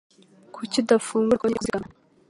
Kuki udafungura konti yo kuzigama?